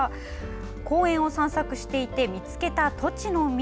公園を散策していて見つけた、とちの実。